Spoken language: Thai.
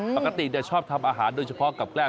ปกติชอบทำอาหารโดยเฉพาะกับแกล้ม